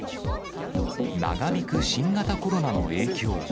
長引く新型コロナの影響。